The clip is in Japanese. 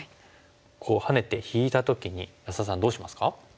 こうハネて引いた時に安田さんどうしますか？